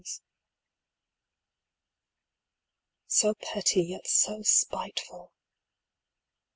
So petty yet so spiteful!